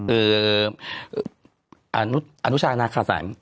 อืออนุชาณาคาศัย